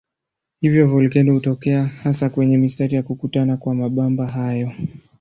Hivyo volkeno hutokea hasa kwenye mistari ya kukutana kwa mabamba hayo.